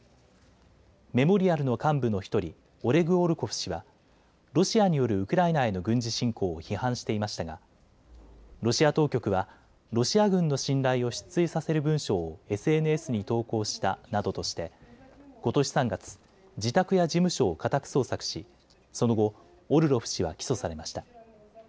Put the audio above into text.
メモリアルの幹部の１人、オレグ・オルロフ氏はロシアによるウクライナへの軍事侵攻を批判していましたがロシア当局はロシア軍の信頼を失墜させる文章をＳＮＳに投稿したなどとしてことし３月、自宅や事務所を家宅捜索しその後、オルロフ氏は起訴されました。